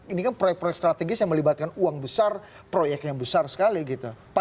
ini kan proyek proyek strategis yang melibatkan uang besar proyek yang besar sekali gitu